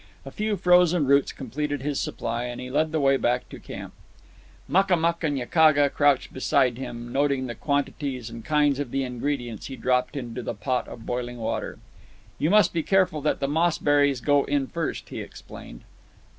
A few frozen roots completed his supply, and he led the way back to camp. Makamuk and Yakaga crouched beside him, noting the quantities and kinds of the ingredients he dropped into the pot of boiling water. "You must be careful that the moss berries go in first," he explained.